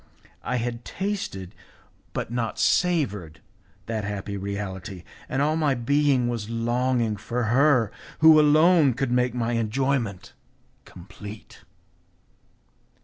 I had tasted, but not savoured, that happy reality, and all my being was longing for her who alone could make my enjoyment complete.